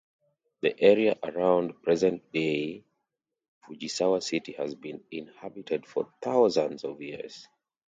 The area around present-day Fujisawa City has been inhabited for thousands of years.